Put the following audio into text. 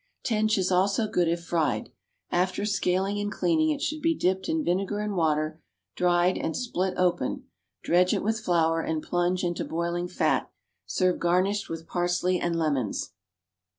Tench is also good if fried. After scaling and cleaning it should be dipped into vinegar and water, dried, and split open; dredge it with flour, and plunge into boiling fat. Serve garnished with parsley and lemons.